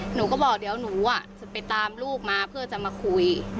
หนูก็บอกเดี๋ยวหนูจะไปตามลูกมาเพื่อจะมาคุย